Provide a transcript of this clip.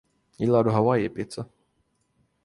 Gillar du hawaii-pizza?